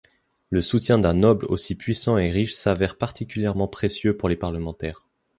Le soutien d'un noble aussi puissant et riche s'avère particulièrement précieux pour les parlementaires.